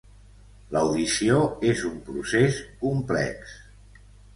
L'audició és un procés complex.